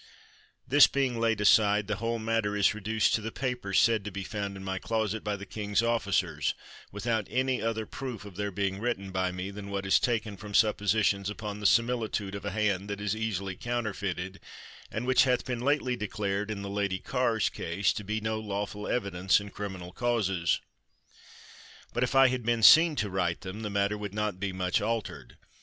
This being laid aside, the whole matter is re duced to the papers said to be found in my closet by the king 's officers, without any other proof of their being written by me, than what is taken from suppositions upon the similitude of a hand that is easily counterfeited, and which hath been lately declared in the Lady Carr's case to be no lawful evidence in criminal causes. But if I had been seen to write them, the matter would not be much altered.